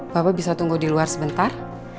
bapak bisa tunggu di luar sebentar